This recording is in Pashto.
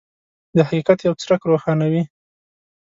د حقیقت یو څرک روښانوي.